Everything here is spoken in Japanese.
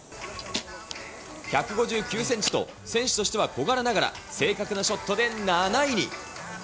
１５９センチと、選手としては小柄ながら、正確なショットで７位に。